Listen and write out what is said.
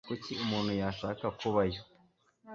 Kuki umuntu yashaka kubayo?